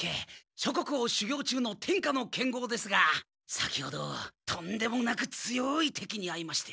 諸国を修行中の天下の剣豪ですが先ほどとんでもなく強い敵に会いまして。